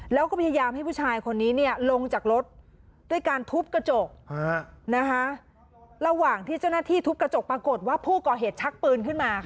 แล้วก็พยายามให้ผู้ชายคนนี้ลงจากรถด้วยการทุบกระจกระหว่างที่เจ้าหน้าที่ทุบกระจกปรากฏว่าผู้ก่อเหตุชักปืนขึ้นมา